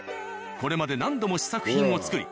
これまで何度も試作品を作り